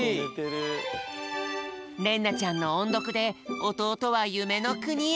れんなちゃんのおんどくでおとうとはゆめのくにへ。